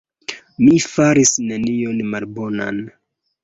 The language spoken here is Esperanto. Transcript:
Mi faris nenion malbonan.